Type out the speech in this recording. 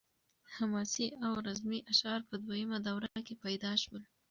حماسي او رزمي اشعار په دویمه دوره کې پیدا شول.